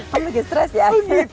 kamu lagi stres ya